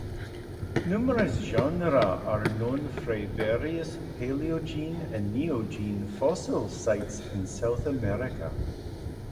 Numerous genera are known from various Palaeogene and Neogene fossil sites in South America.